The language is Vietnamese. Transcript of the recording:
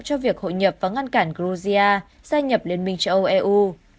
cho việc hội nhập và ngăn cản georgia gia nhập liên minh châu âu eu